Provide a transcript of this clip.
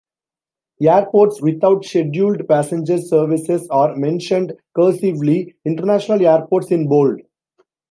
Airports without scheduled passenger services are mentioned "cursively"; international airports in bold.